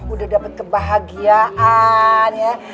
udah dapet kebahagiaan ya